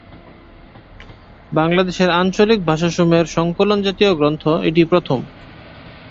বাংলাদেশের আঞ্চলিক ভাষাসমূহের সংকলন-জাতীয় গ্রন্থ এটিই প্রথম।